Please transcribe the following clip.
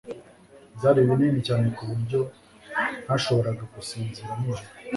Byari binini cyane ku buryo ntashobora gusinzira nijoro.